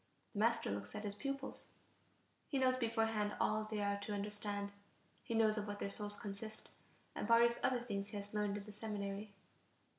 The master looks at his pupils; he knows beforehand all they are to understand; he knows of what their souls consist, and various other things he has learned in the seminary.